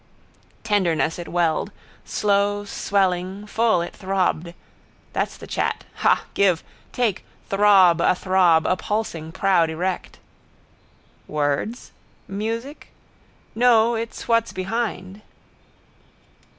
Tenderness it welled: slow, swelling, full it throbbed. That's the chat. Ha, give! Take! Throb, a throb, a pulsing proud erect. Words? Music? No: it's what's behind.